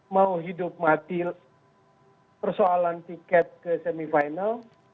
mau hidup mati persoalan tiket ke semifinal